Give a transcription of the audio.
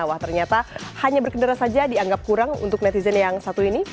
wah ternyata hanya berkendara saja dianggap kurang untuk netizen yang satu ini